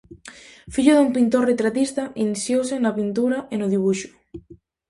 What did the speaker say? Fillo dun pintor retratista, iniciouse na pintura e no debuxo.